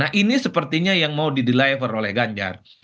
nah ini sepertinya yang mau di deliver oleh ganjar